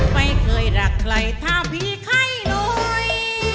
ไม่เคยรักใครถ้าพี่ใครหน่วย